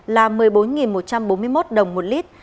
là một mươi bốn một trăm bốn mươi một đồng một lít